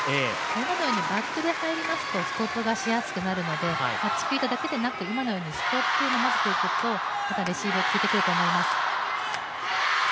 今のようにバックで入りますとストップがしやすくなるので、チキータだけではなくストップも入れていくとまたレシーブが効いてくると思います。